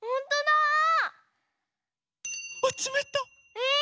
え！